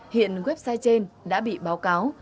hiện website trên đã bị báo cáo